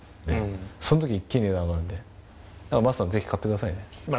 そのとき一気に値が上がるんで、桝さん、ぜひ買ってくださいね。